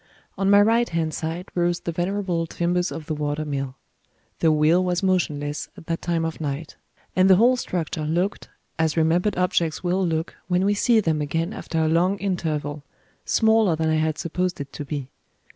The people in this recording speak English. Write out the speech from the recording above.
On my right hand side rose the venerable timbers of the water mill. The wheel was motionless, at that time of night; and the whole structure looked as remembered objects will look, when we see them again after a long interval smaller than I had supposed it to be.